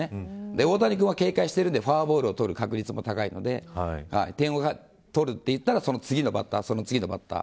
大谷くんは警戒してるのでフォアボールを取る確率も高いので点を取るといったらその次のバッター。